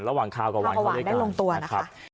ระหว่างข้าวกระหว่างเขาด้วยกันข้าวกระหว่างได้ลงตัวนะคะครับ